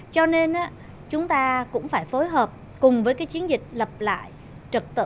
cho nên chúng ta cũng phải phối hợp cùng với cái chiến dịch lập lại trật tự